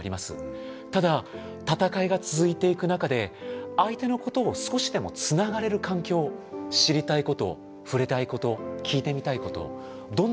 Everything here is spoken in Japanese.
ただ戦いが続いていく中で相手のことを少しでもつながれる環境知りたいこと触れたいこと聞いてみたいことどんなことでもいい。